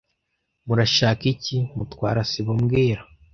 Murashaka iki, Mutwara sibo mbwira